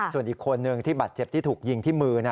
ส่วนอีกคนนึงที่บาดเจ็บที่ถูกยิงที่มือ